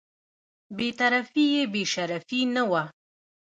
بې طرفي یې بې شرفي نه وه.